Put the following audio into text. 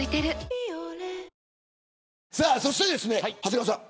「ビオレ」そして長谷川さん。